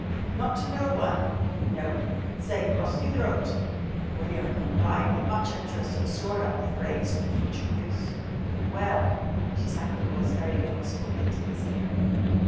"Not to no one?" "No." "Say, 'Cross me throat.'" William complied with much interest and stored up the phrase for future use. "Well," she sank her voice very low and spoke into his ear.